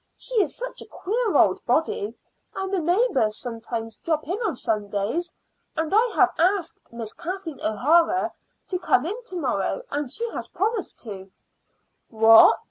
She is such a queer old body; and the neighbors sometimes drop in on Sundays. And I have asked Miss Kathleen O'Hara to come in to morrow, and she has promised to." "What?"